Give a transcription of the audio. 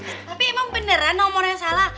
tapi emang beneran nomornya salah